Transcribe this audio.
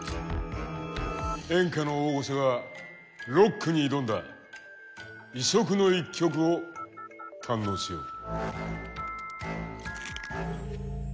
演歌の大御所がロックに挑んだ異色の一曲を堪能しよう。